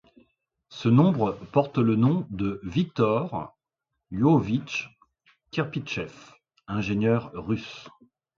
Ce nombre porte le nom de Viktor Lvovitch Kirpitchev, ingénieur russe.